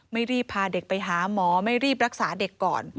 รีบพาเด็กไปหาหมอไม่รีบรักษาเด็กก่อน